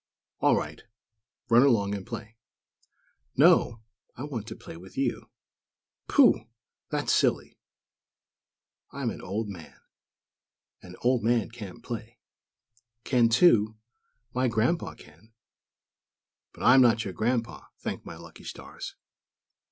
"All right; run along and play." "No; I want to play with you." "Pooh!! That's silly. I'm an old man. An old man can't play." "Can, too. My Grandpa can." "But I'm not your Grandpa, thank my lucky stars.